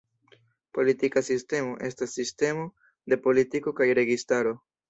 Politika sistemo estas sistemo de politiko kaj registaro.